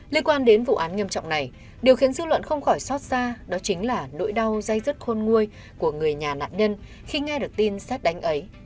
liên quan đến vụ án nghiêm trọng này điều khiến dư luận không khỏi xót xa đó chính là nỗi đau dây dứt khôn nguôi của người nhà nạn nhân khi nghe được tin xét đánh ấy